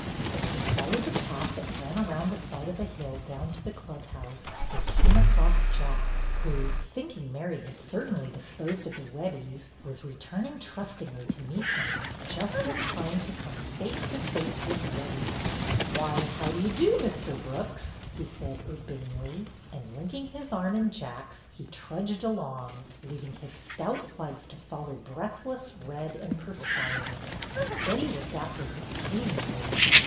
'" As they followed the path that ran around BETTY AND THE WEBBIES 59 the side of a hill down to the Club House, they came across Jack, who, thinking Mary had certainly disposed of the Webbies, was returning trustingly to meet them, just in time to come face to face with Webbie. ''Why, how d' ye do, Mr. Brooks he said urbanely, and linking his arm in Jack's he trudged along, leaving his stout wife to follow breathless, red, and perspiring. Betty looked after her pityingly.